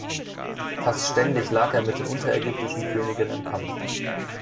Fast ständig lag er mit den unterägyptischen Königen im Kampf.